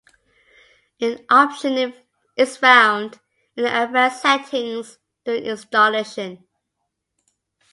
The option is found in the "Advanced Settings" during installation.